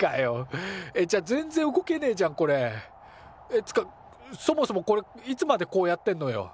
っつかそもそもこれいつまでこうやってんのよ？